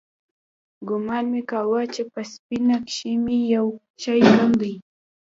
ګومان مې کاوه چې په سينه کښې مې يو شى کم دى.